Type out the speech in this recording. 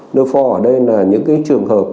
lơ pho ở đây là những cái trường hợp